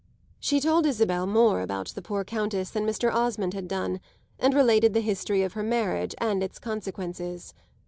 She told Isabel more about the poor Countess than Mr. Osmond had done, and related the history of her marriage and its consequences.